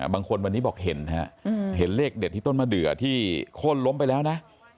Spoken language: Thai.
บางคนวันนี้บอกเห็นนะฮะเห็นเลขเด็ดที่ต้นมะเดือที่โค้นล้มไปแล้วนะ